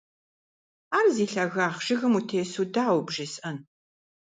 Ар зи лъэгагъ жыгым утесу дауэ бжесӀэн?